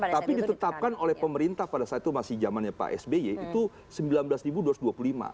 tapi ditetapkan oleh pemerintah pada saat itu masih zamannya pak sby itu rp sembilan belas dua ratus dua puluh lima